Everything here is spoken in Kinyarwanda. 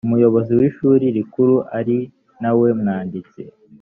umuyobozi w ishuri rikuru ari nawe mwanditsi